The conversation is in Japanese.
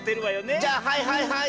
じゃあはいはいはい！